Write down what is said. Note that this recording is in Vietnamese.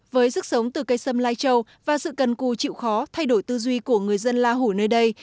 với sức sống từ cây sâm lai châu và sự cần cù chịu khó thay đổi tư duy của người dân la hủ nơi đây